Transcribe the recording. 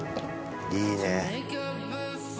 いいね